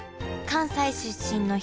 関西出身で？